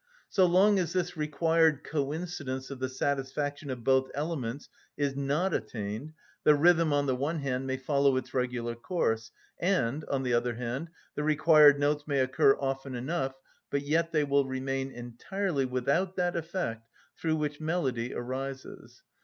So long as this required coincidence of the satisfaction of both elements is not attained, the rhythm, on the one hand, may follow its regular course, and, on the other hand, the required notes may occur often enough, but yet they will remain entirely without that effect through which melody arises.